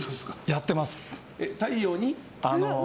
やってます。